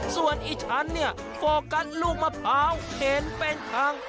ส่วนอีกชั้นเนี่ยโฟกัสลูกมะพร้าวเข็นเป็นทาง